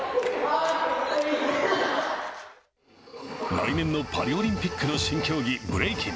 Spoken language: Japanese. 来年のパリオリンピックの新競技、ブレイキン。